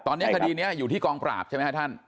ตอนนี้คดีนี้อยู่ที่กองปราบใช่ไหมครับท่าน